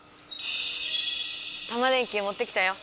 タマ電Ｑもってきたよ！